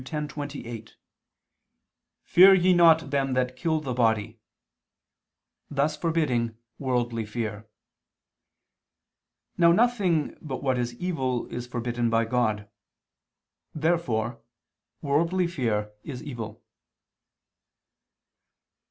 10:28): "Fear ye not them that kill the body," thus forbidding worldly fear. Now nothing but what is evil is forbidden by God. Therefore worldly fear is evil.